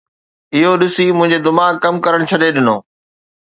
اهو ڏسي منهنجي دماغ ڪم ڪرڻ ڇڏي ڏنو